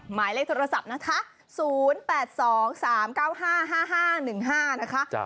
หมายเลขโทรศัพท์นะคะ๐๘๒๓๙๕๕๑๕นะคะ